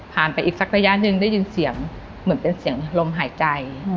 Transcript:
ไปอีกสักระยะหนึ่งได้ยินเสียงเหมือนเป็นเสียงลมหายใจ